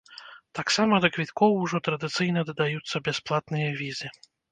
Таксама да квіткоў ужо традыцыйна дадаюцца бясплатныя візы.